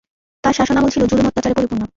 তার শাসন আমল ছিল জুলুম-অত্যাচারে পরিপূর্ণ।